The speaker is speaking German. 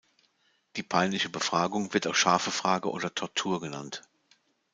Die peinliche Befragung wird auch "scharfe Frage" oder "Tortur" genannt.